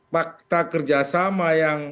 fakta kerjasama yang